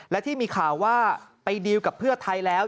และที่มีข่าวว่าไปดีลกับเพื่อไทยแล้ว